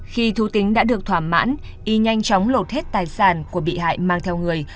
khi thu tính đã được thỏa mãn y nhanh chóng lột hết tài sản của bị hại mang theo người